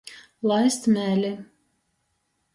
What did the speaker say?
Laist mēli.